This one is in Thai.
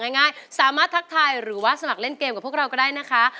ง่ายสามารถทักทายหรือว่าสมัครเล่นเกมกับพวกเราก็ได้นะคะ